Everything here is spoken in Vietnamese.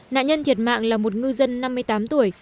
nạn nhân thiệt mạng là một ngư dân năm mươi tám tuổi